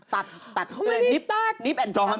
ตัดเข้าไหนนิดหน่อยดิฟต์